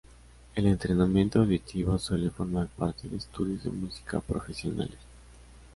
El entrenamiento auditivo suele formar parte de estudios de música profesionales.